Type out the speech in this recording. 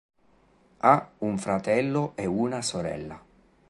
Ha un fratello e una sorella.